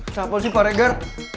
siapa sih pak regar